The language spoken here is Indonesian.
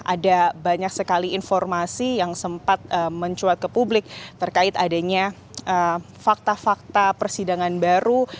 ada banyak sekali informasi yang sempat mencuat ke publik terkait adanya fakta fakta persidangan baru